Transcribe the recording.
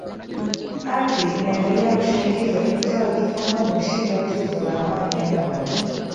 archi inaendelea kushinikizwa imtoe kifungoni mshindi wa tuzo la amani ya nobel